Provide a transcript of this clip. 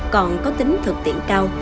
còn có tính thực tiện cao